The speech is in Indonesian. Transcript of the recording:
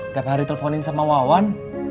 tiap hari teleponin sama wawan